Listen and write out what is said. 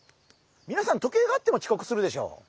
みなさん時計があってもちこくするでしょ。